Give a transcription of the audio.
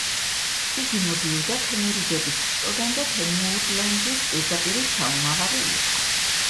იგი მოდიოდა თემურიდების შტოდან და თემურლენგის პირდაპირი შთამომავალი იყო.